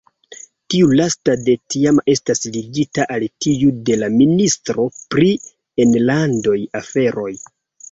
Tiu lasta de tiam estas ligita al tiu de la ministro pri enlandaj aferoj.